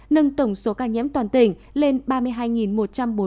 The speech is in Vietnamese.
nâng tổng số ca nhiễm toàn tỉnh lên ba mươi hai một trăm bốn mươi ca